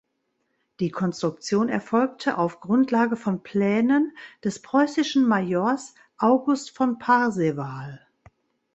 Die Konstruktion erfolgte auf Grundlage von Plänen des preußischen Majors August von Parseval.